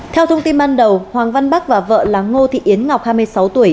theo thông tin ban đầu hoàng văn bắc và vợ là ngô thị yến ngọc hai mươi sáu tuổi